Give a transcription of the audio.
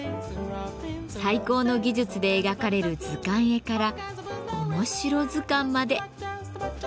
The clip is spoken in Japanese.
最高の技術で描かれる図鑑絵からおもしろ図鑑まで。